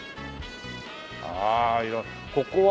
ああ色々ここは？